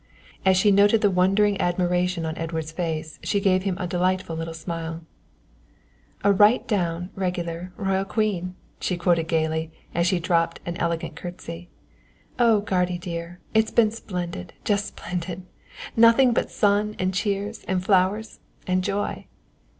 As she noted the wondering admiration on Edward's face she gave him a delightful little smile. "A right down, regular, Royal Queen," she quoted gaily as she dropped an elegant curtsey. "Oh, guardy dear, it's been splendid just splendid nothing but sun and cheers and flowers and joy."